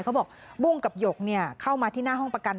บุ้งกับหยกเข้ามาที่หน้าห้องประกัน